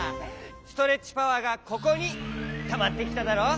ストレッチパワーがここにたまってきただろ！